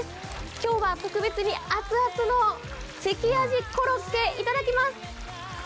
今日は特別に熱々の関あじコロッケ、いただきます。